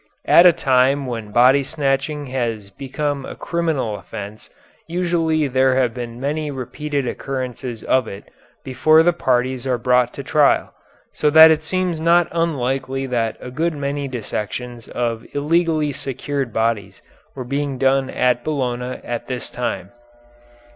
At a time when body snatching has become a criminal offence usually there have been many repeated occurrences of it before the parties are brought to trial, so that it seems not unlikely that a good many dissections of illegally secured bodies were being done at Bologna at this time.